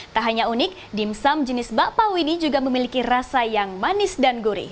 tak hanya unik dimsum jenis bakpao ini juga memiliki rasa yang manis dan gurih